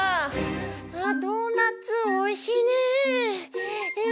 ああドーナツおいしいねえ。